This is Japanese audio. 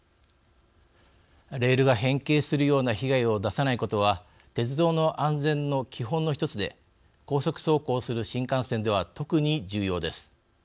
レールが変形するような被害を出さないことは鉄道の安全の基本の１つで高速走行する新幹線では特に重要です。